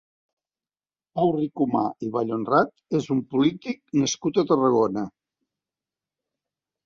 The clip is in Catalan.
Pau Ricomà i Vallhonrat és un polític nascut a Tarragona.